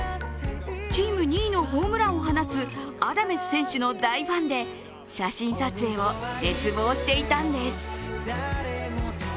チーム２位のホームランを放つアダメス選手の大ファンで写真撮影を熱望していたんです。